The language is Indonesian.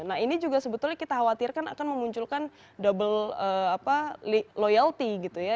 nah ini juga sebetulnya kita khawatirkan akan memunculkan double loyalty gitu ya